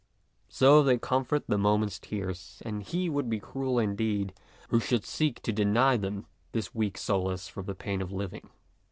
So they comfort the moment's tears, and he would be cruel indeed who should seek to deny them this weak solace for the pain of living.